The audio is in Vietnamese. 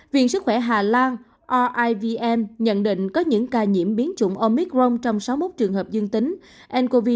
viện sức khỏe hà lan rivm nhận định có những ca nhiễm biến chủng omicron trong sáu mươi một trường hợp dương tính